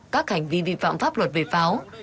các hành vi vi phạm pháp luật về pháo